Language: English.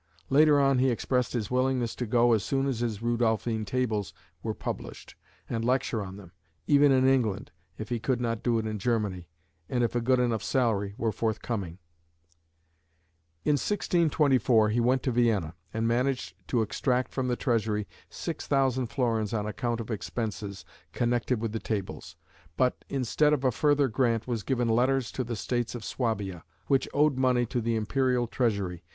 Later on he expressed his willingness to go as soon as his Rudolphine Tables were published, and lecture on them, even in England, if he could not do it in Germany, and if a good enough salary were forthcoming. In 1624 he went to Vienna, and managed to extract from the Treasury 6000 florins on account of expenses connected with the Tables, but, instead of a further grant, was given letters to the States of Swabia, which owed money to the Imperial treasury.